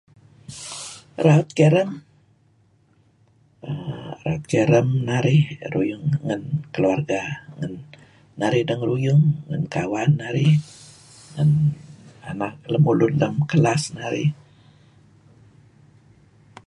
Raut carom. err Raut carom narih ruyung ngan keluarga ngan narih dengeruyung, ngan kawan narih , ngan ena' lemulun lem kelas narih